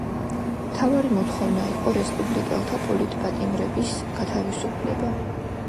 მთავარი მოთხოვნა იყო რესპუბლიკელთა პოლიტპატიმრების გათავისუფლება.